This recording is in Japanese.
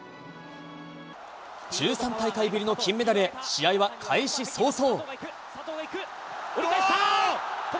１３大会ぶりの金メダルへ、試合は開始早々。